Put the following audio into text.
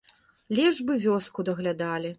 Лепш бы вёску даглядалі.